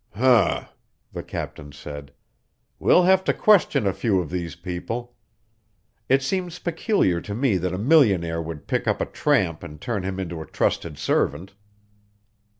"Um!" the captain said. "We'll have to question a few of these people. It seems peculiar to me that a millionaire would pick up a tramp and turn him into a trusted servant."